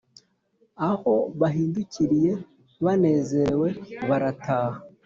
aho bahindukiriye banezerewe barataha,